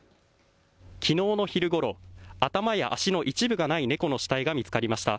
きのうの昼ごろ、頭や足の一部がない猫の死体が見つかりました。